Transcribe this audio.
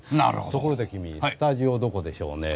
ところで君、スタジオどこでしょうね。